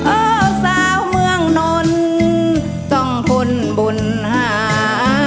อ้าวสาวเมืองนนต้องทนบุญหา